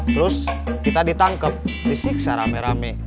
terus kita ditangkep disiksa rame rame